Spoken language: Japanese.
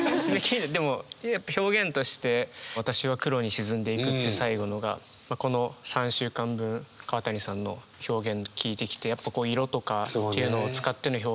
でも表現として「私は黒に沈んでいく」って最後のがこの３週間分川谷さんの表現聞いてきてやっぱこう色とかというのを使っての表現がうまいな。